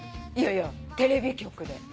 いやいやテレビ局で。